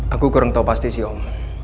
aku kurang tahu pasti sih om